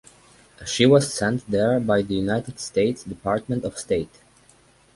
She was sent there by the United States Department of State.